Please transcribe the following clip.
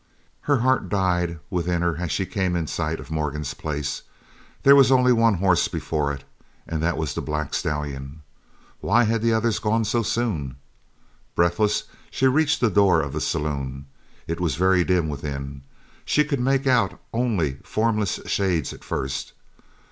Her heart died within her as she came in sight of Morgan's place. There was only one horse before it, and that was the black stallion. Why had the others gone so soon? Breathless, she reached the door of the saloon. It was very dim within. She could make out only formless shades at first.